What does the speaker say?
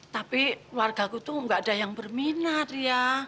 tapi warga ku tuh gak ada yang berminat ria